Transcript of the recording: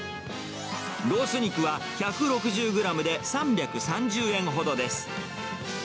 ロース肉は１６０グラムで３３０円ほどです。